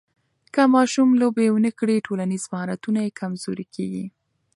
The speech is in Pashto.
که ماشوم لوبې ونه کړي، ټولنیز مهارتونه یې کمزوري کېږي.